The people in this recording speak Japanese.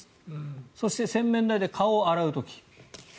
そして、洗面台で顔を洗う時。